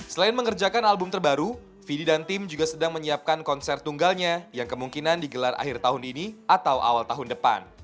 selain mengerjakan album terbaru fidi dan tim juga sedang menyiapkan konser tunggalnya yang kemungkinan digelar akhir tahun ini atau awal tahun depan